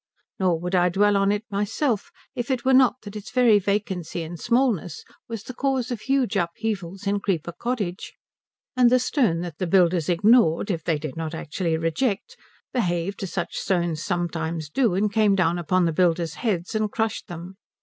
Nor would I dwell on it myself if it were not that its very vacancy and smallness was the cause of huge upheavals in Creeper Cottage, and the stone that the builders ignored if they did not actually reject behaved as such stones sometimes do and came down upon the builders' heads and crushed them.